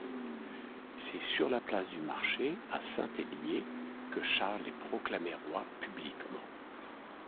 C'est sur la place du Marché, à Saint-Hélier, que Charles est proclamé roi publiquement.